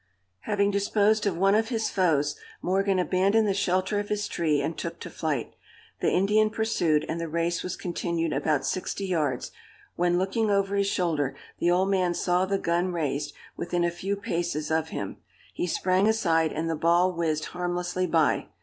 Having disposed of one of his foes, Morgan abandoned the shelter of his tree, and took to flight. The Indian pursued, and the race was continued about sixty yards, when, looking over his shoulder, the old man saw the gun raised, within a few paces of him. He sprang aside, and the ball whizzed harmlessly by.